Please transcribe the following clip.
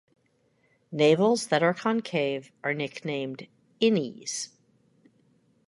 Navels that are concave are nicknamed "innies".